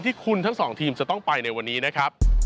ที่คุณทั้งสองทีมจะต้องไปในวันนี้นะครับ